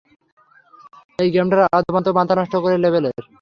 এই গেমটার আদ্যোপান্ত মাথা নষ্ট লেভেলের!